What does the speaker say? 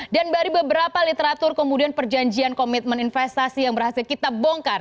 dan dari beberapa literatur kemudian perjanjian komitmen investasi yang berhasil kita bongkar